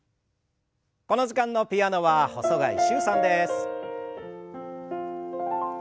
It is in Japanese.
この時間のピアノは細貝柊さんです。